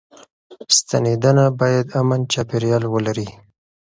ستنېدنه بايد امن چاپيريال ولري.